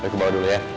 saya ke bawah dulu ya